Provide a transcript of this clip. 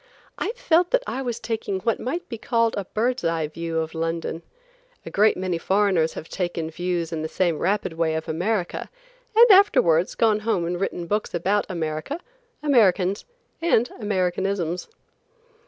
I felt that I was taking what might be called a bird's eye view of London. A great many foreigners have taken views in the same rapid way of America, and afterwards gone home and written books about America, Americans, and Americanisms.